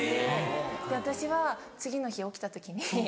私は次の日起きた時に。